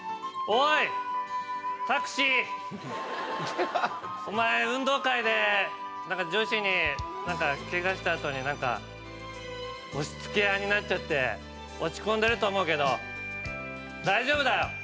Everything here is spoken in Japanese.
お前運動会でなんか女子にけがしたあとになんか押し付け合いになっちゃって落ち込んでると思うけど大丈夫だよ！